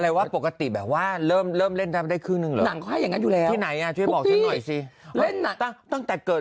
อะไรวะปกติแบบว่าเริ่มเริ่มเล่นได้ครึ่งแหละอย่างนั้นที่ไหนนะที่บอกนี่มาอีกที่เล่นตั้งแต่เกิด